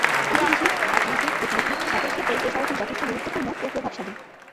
ঐতিহাসিক, রাজনৈতিক, কূটনৈতিক, সকল ক্ষেত্রেই এ শহরটি যথেষ্ট গুরুত্বপূর্ণ ও প্রভাবশালী।